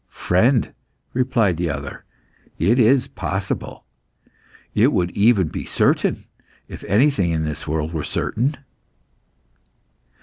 "Friend," replied the other, "it is possible. It would even be certain, if anything in this world were certain."